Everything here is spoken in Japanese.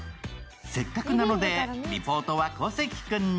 せっかくなので、リポートは小関君に。